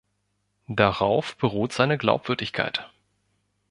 Darauf beruht seine Glaubwürdigkeit.